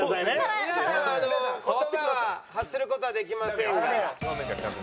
皆さんあの言葉は発する事はできませんが。